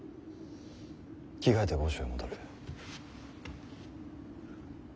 着替えて御所へ戻る。